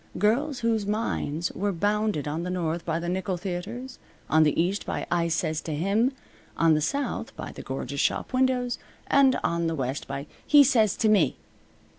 Girls whose minds were bounded on the north by the nickel theatres; on the east by "I sez to him"; on the south by the gorgeous shop windows; and on the west by "He sez t' me."